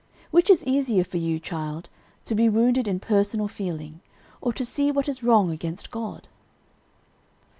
Which is easier for you, child, to be wounded in personal feeling, or to see what is wrong against God?"